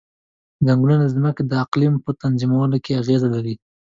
ځنګلونه د ځمکې د اقلیم په تنظیمولو کې اغیز لري.